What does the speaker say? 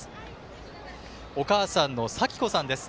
お母さんのさきこさんです。